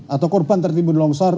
atau korban tertimbun longsor